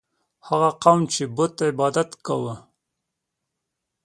هغه قوم چې د بت عبادت یې کاوه.